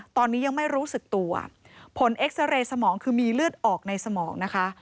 ตอนนี้ยังไม่รู้สึกตัวผลเอ็กซาเรย์สมองคือมีเลือดออกในสมองนะคะ